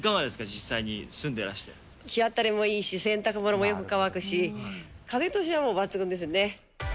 実際に住んで日当たりもいいし、洗濯物もよく乾くし、風通しはもう抜群ですよね。